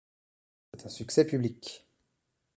C’est un succès public.